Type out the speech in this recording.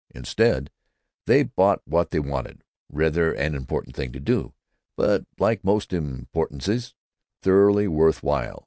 Instead, they bought what they wanted—rather an impertinent thing to do, but, like most impertinences, thoroughly worth while.